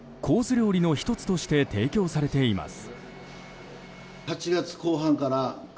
料理の１つとして提供されています。